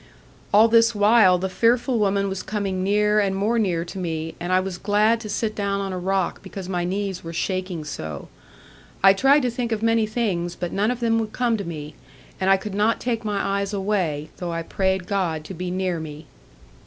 All this while, the fearful woman was coming near and more near to me; and I was glad to sit down on a rock because my knees were shaking so. I tried to think of many things, but none of them would come to me; and I could not take my eyes away, though I prayed God to be near me.